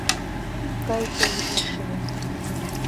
— Кай, тулык икшыве...